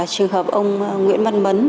trường hợp ông nguyễn văn mấn